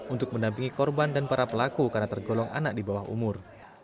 untuk mendampingi korban dan para pelaku karena tergolong anak di bawah umur